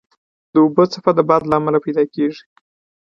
د اوبو څپه د باد له امله پیدا کېږي.